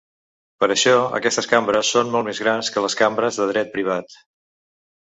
Per això, aquestes cambres són molt més grans que les cambres de dret privat.